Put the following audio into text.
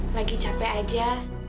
lagi capek aja